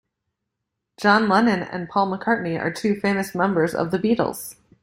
John Lennon and Paul McCartney are two famous members of the Beatles.